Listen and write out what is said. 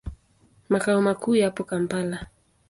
Makao makuu yapo Kampala.